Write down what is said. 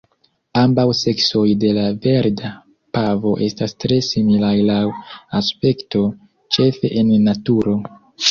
Ambaŭ seksoj de la Verda pavo estas tre similaj laŭ aspekto, ĉefe en naturo.